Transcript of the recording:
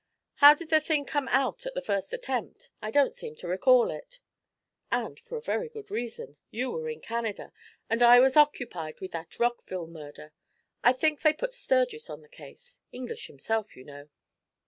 How did the thing come out at the first attempt? I don't seem to recall it.' 'And for a good reason. You were in Canada, and I was occupied with that Rockville murder. I think they put Sturgis on the case. English himself, you know.'